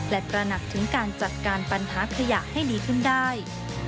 และตระหนักถึงการจัดการปัญหาขยะให้ดีขึ้นได้